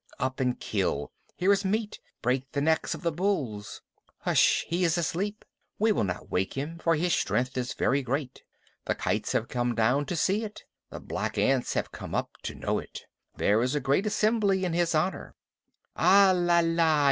Up and kill! Here is meat; break the necks of the bulls! Hsh! He is asleep. We will not wake him, for his strength is very great. The kites have come down to see it. The black ants have come up to know it. There is a great assembly in his honor. Alala!